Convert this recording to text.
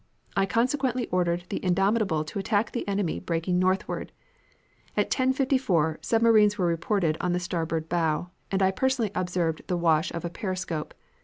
I consequently ordered the Indomitable to attack the enemy breaking northward. At 10.54 submarines were reported on the starboard bow, and I personally observed the wash of a periscope.